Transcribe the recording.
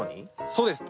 そうです。